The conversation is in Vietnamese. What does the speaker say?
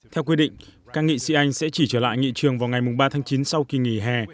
theo quy định các nghị sĩ anh sẽ chỉ trở lại nghị trường vào ngày ba tháng chín sau kỳ nghỉ hè